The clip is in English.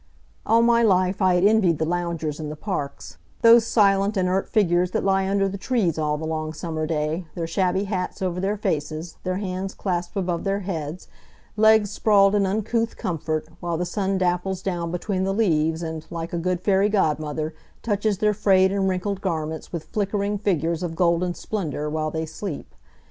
All my life I had envied the loungers in the parks those silent, inert figures that lie under the trees all the long summer day, their shabby hats over their faces, their hands clasped above their heads, legs sprawled in uncouth comfort, while the sun dapples down between the leaves and, like a good fairy godmother, touches their frayed and wrinkled garments with flickering figures of golden splendor, while they sleep.